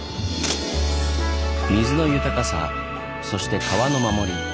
水の豊かさそして川の守り。